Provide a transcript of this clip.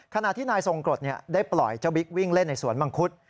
ขณะที่นายทรงกรดได้ปล่อยเจ้าบิ๊กวิ่งเล่นในสวนมังคุด